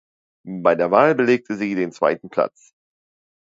Bei der Wahl belegte sie den zweiten Platz.